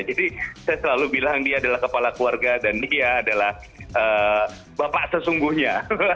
jadi saya selalu bilang dia adalah kepala keluarga dan dia adalah bapak sesungguhnya